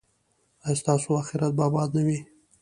ایا ستاسو اخرت به اباد نه وي؟